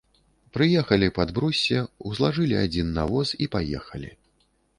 Прыехалі пад бруссе, узлажылі адзін на воз і паехалі.